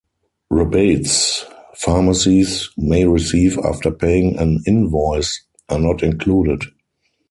Rebates pharmacies may receive after paying an invoice are not included.